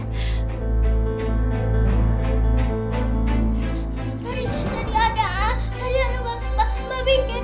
tadi tadi ada tadi ada mami ngepet ya